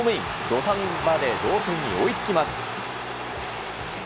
土壇場で同点に追いつきます。